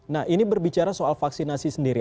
nah ini berbicara soal vaksinasi sendiri